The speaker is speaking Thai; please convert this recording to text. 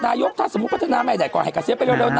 นายกถ้าสมมุติพัฒนาไม่ได้ก็ให้กระเศียรไปเร็ว